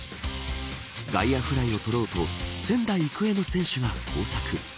外野フライを取ろうと仙台育英の選手が交錯。